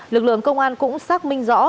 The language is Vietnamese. lực lượng công an cũng xác minh rõ